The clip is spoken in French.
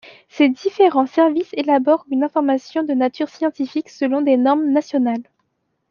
Ces différents services élaborent une information de nature scientifique selon des normes nationales.